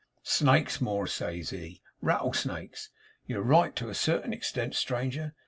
"Snakes more," says he; "rattle snakes. You're right to a certain extent, stranger.